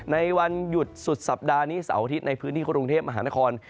ในวันหยุดสุดสัปดาห์นี้เสาร์อาทิตย์ในพื้นที่กรุงเทพมหานคร